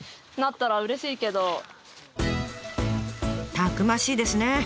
たくましいですね！